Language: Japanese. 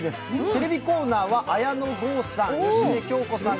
テレビコーナーは芳根京子さん